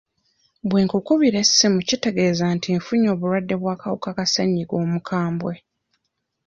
"Bwe nkukubira essimu, kitegeeza nti nfunye obulwadde bw'akawuka ka ssenyiga omukambwe."